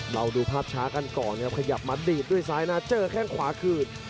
เราดูภาพช้ากันก่อนครับขยับมาดีดด้วยซ้ายนะเจอแข้งขวาคืน